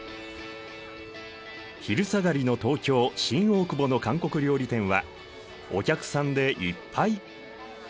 昼下がりの東京・新大久保の韓国料理店はお客さんでいっぱい！